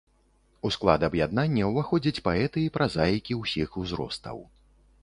У склад аб'яднання ўваходзяць паэты і празаікі ўсіх узростаў.